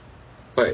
はい。